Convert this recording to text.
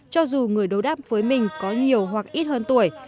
cho dù người đối đáp với mình có nhiều hoặc ít hơn tuổi